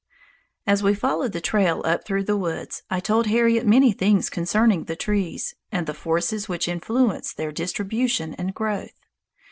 As we followed the trail up through the woods, I told Harriet many things concerning the trees, and the forces which influenced their distribution and growth.